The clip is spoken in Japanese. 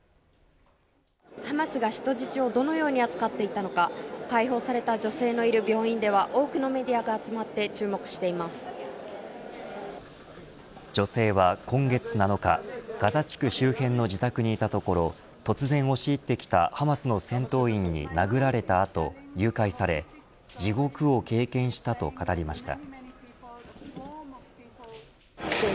ハマスが人質をどのように扱っていたのか解放された女性のいる病院では多くのメディアが集まって女性は今月７日ガザ地区周辺の自宅にいたところ突然押し入ってきたハマスの戦闘員に殴られた後誘拐され、地獄を経験したと語りました。